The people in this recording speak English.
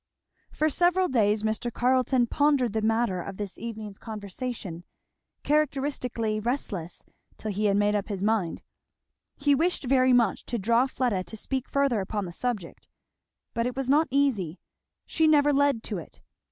For several days Mr. Carleton pondered the matter of this evening's conversation, characteristically restless till he had made up his mind. He wished very much to draw Fleda to speak further upon the subject, but it was not easy; she never led to it.